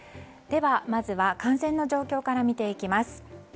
ではまずは感染の状況から見ていきます。